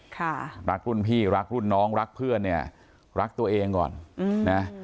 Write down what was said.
ค่ะรักรุ่นพี่รักรุ่นน้องรักเพื่อนเนี่ยรักตัวเองก่อนอืมนะ